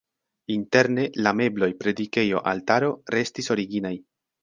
Interne la mebloj, predikejo, altaro restis originaj.